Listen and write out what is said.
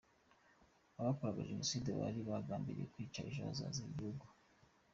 Abakoraga Jenoside bari bagambiriya kwica Ejo hazaza h’igihugu.